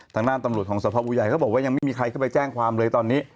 ทางด้านตำรวจของสภาพบัวใหญ่ก็บอกว่ายังไม่มีใครเข้าไปแจ้งความเลยตอนนี้